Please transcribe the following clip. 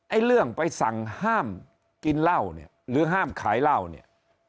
เรื่องไปสั่งห้ามกินเหล้าเนี่ยหรือห้ามขายเหล้าเนี่ย